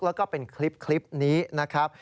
แล้วก็เป็นคลิปนี้นะครับ